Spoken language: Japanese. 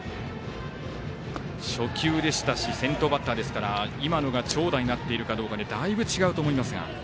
初球でしたし先頭バッターでしたから長打になっているかでだいぶ違うと思いますが。